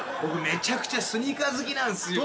めちゃくちゃスニーカー好きなんすよ。